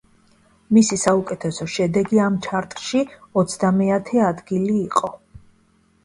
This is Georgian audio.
მისი საუკეთესო შედეგი ამ ჩარტში ოცდამეათე ადგილი იყო.